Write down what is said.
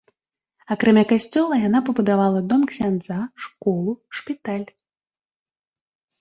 Акрамя касцёла яна пабудавала дом ксяндза, школу, шпіталь.